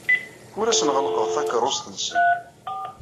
Ur asen-ɣellqeɣ takeṛṛust-nsen.